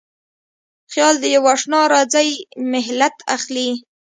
خیال د یواشنا راځی مهلت اخلي